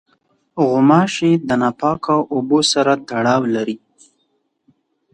غوماشې د ناپاکو اوبو سره تړاو لري.